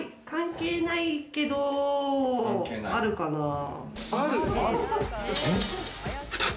関係ないけど、あるかな？